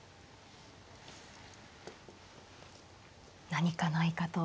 何かないかと。